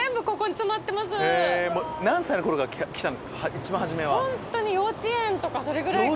一番初めは。